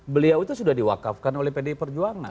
beliau itu sudah di wakafkan oleh pdi perjuangan